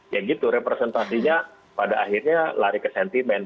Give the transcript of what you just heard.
ya gitu representasinya pada akhirnya lari ke sentimen